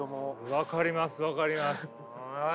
分かります分かります。